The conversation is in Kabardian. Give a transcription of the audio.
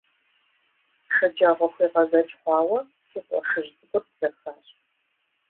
ШэджагъуэхуегъэзэкӀ хъуауэ си къуэшыжь цӀыкӀур бзэхащ.